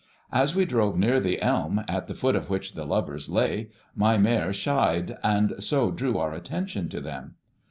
As we drove near the elm at the foot of which the lovers lay, my mare shied, and so drew our attention to them.